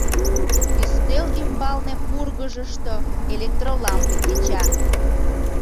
Ӱстел ӱмбалне пургыжышто электролампе кеча.